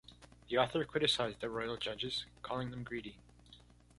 The author criticized the royal judges, calling them greedy.